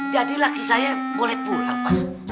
jadi lagi saya boleh pulang pak